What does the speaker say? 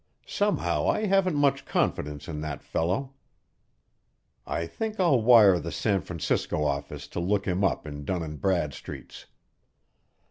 Somehow, I haven't much confidence in that fellow. I think I'll wire the San Francisco office to look him up in Dun's and Bradstreet's.